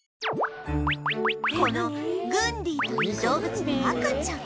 このグンディという動物の赤ちゃん